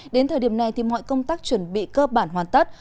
đến thời điểm này thì mọi công tác chuẩn bị cơ bản hoàn tất